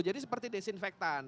jadi seperti desinfektan